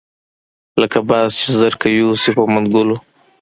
لکه باز چې زرکه یوسي په منګلو